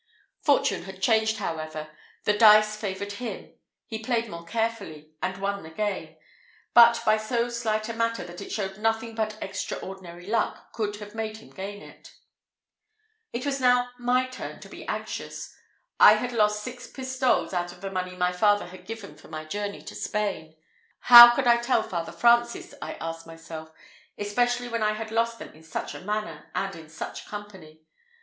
Fortune had changed, however; the dice favoured him; he played more carefully, and won the game, but by so slight a matter, that it showed nothing but extraordinary luck could have made him gain it. It was now my turn to be anxious. I had lost six pistoles out of the money my father had given for my journey to Spain. How could I tell Father Francis? I asked myself, especially when I had lost them in such a manner, and in such company.